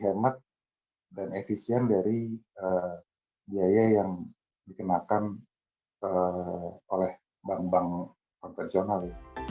hemat dan efisien dari biaya yang dikenakan oleh bank bank konvensional